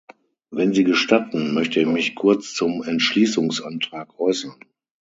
Wenn Sie gestatten, möchte ich mich kurz zum Entschließungsantrag äußern.